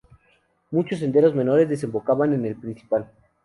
Muchos senderos menores desembocaban en el principal.